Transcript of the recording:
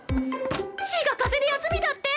ちぃが風邪で休みだって！